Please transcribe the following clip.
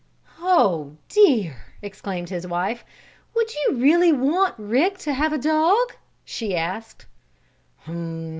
"Oh, dear!" exclaimed his wife. "Would you really want Rick to have a dog?" she asked.